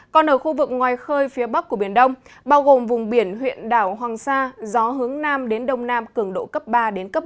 còn ở khu vực ngoài khơi phía bắc của biển đông bao gồm vùng biển huyện đảo hoàng sa gió hướng nam đến đông nam cường độ cấp ba đến cấp bốn